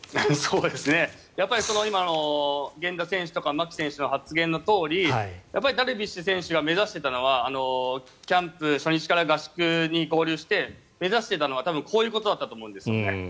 やっぱり今の源田選手とか牧選手の発言のとおりやっぱりダルビッシュ選手が目指していたのはキャンプ初日から合宿に合流して目指していたのはこういうことだったと思うんです。